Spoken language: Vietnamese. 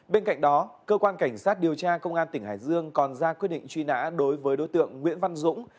bên cạnh đó cơ quan cảnh sát điều tra công an tỉnh hải dương còn ra quyết định truy nã đối với đối tượng nguyễn văn dũng